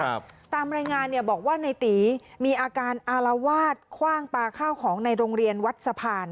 ตามรายงานเนี่ยบอกว่าในตีมีอาการอารวาสคว่างปลาข้าวของในโรงเรียนวัดสะพาน